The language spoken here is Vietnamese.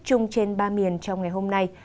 chung trên ba miền trong ngày hôm nay